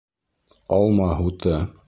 Алма һуты